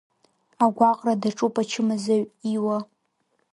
Агәаҟра даҿуп ачымазаҩ Иуа.